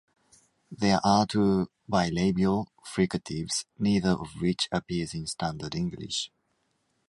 There are two bilabial fricatives, neither of which appears in standard English.